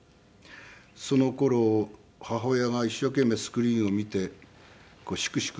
その頃母親が一生懸命スクリーンを見てしくしく